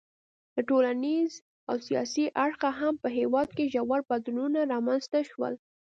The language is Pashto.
له ټولنیز او سیاسي اړخه هم په هېواد کې ژور بدلونونه رامنځته شول.